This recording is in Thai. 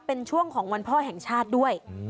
เป็นช่วงของวันพ่อแห่งชาติด้วย